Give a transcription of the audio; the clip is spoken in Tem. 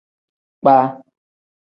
Kpaa.